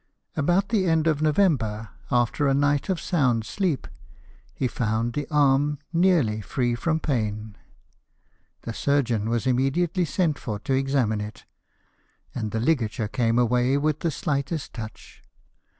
About the end of November, after a night of sound sleep, he found the arm nearly free from pain ; the 124 LIFE OF NELSON. surgeon was immediately sent for to examine it, and the ligature came away with the slightest touch.